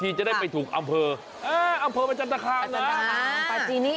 ทีจะได้ไปถูกอำเภออ๋ออำเภอประจันทคาบน่ะอ๋อประจินี้